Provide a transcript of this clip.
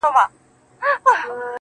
پر کومي لوري حرکت وو حوا څه ډول وه.